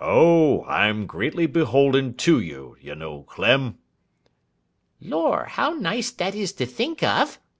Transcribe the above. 'Oh! I'm greatly beholden to you, you know, Clem.' 'Lor, how nice that is to think of!